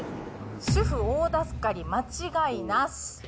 主婦大助かり間違いなし！